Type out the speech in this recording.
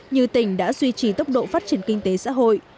như tỉnh đã duy trì tốc độ phát triển kinh tế xã hội